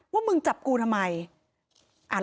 ว่ามึงจับกูทำไม